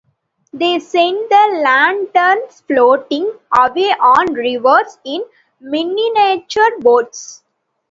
They send the lanterns floating away on rivers in miniature boats.